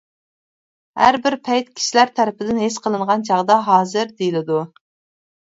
ھەربىر پەيت كىشىلەر تەرىپىدىن ھېس قىلىنغان چاغدا «ھازىر» دېيىلىدۇ.